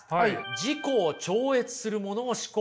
「自己を超越するものを思考する」。